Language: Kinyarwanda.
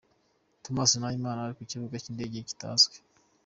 Thomas Nahimana ari kukibuga cy’indege kitazwi